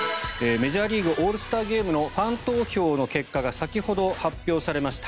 メジャーリーグオールスターゲームのファン投票の結果が先ほど発表されました。